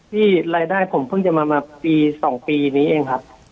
นี่รายได้ผมเพิ่งจะมาปี๒ปีนี้เองครับ